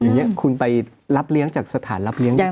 อย่างนี้คุณไปรับเลี้ยงจากสถานรับเลี้ยงได้